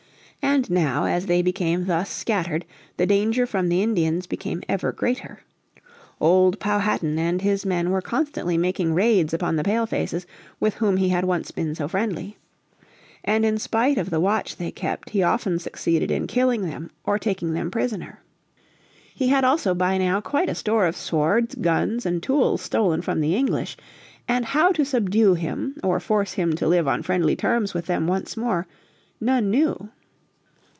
And now as they became thus scattered the danger from the Indians became ever greater. Old Powhatan and his men were constantly making raids upon the Pale faces with whom he had once been so friendly. And in spite of the watch they kept he often succeeded in killing them or taking them prisoner. He had also by now quite a store of swords, guns and tools stolen from the English. And how to subdue him, or force him to live on friendly terms with them once more, none knew.